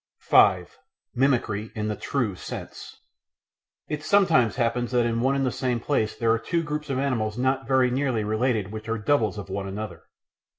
§ 5 Mimicry in the True Sense It sometimes happens that in one and the same place there are two groups of animals not very nearly related which are "doubles" of one another.